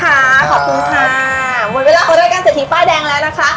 ขอบคุณค่ะหมดเวลาความรู้จักกับศตีป้าแดงแล้วนะคะ